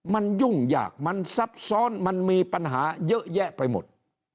มันยุ่งยากมันซับซ้อนมันมีปัญหาเยอะแยะไปหมด